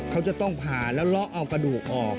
เขาจะต้องผ่าแล้วเลาะเอากระดูกออก